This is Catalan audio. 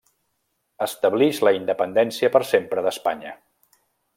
Establix la independència per sempre d'Espanya.